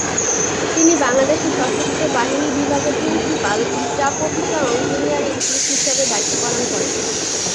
তিনি বাংলাদেশের সশস্ত্র বাহিনী বিভাগের প্রিন্সিপাল স্টাফ অফিসার ও ইঞ্জিনিয়ার ইন চিফ হিসেবে দায়িত্ব পালন করেন।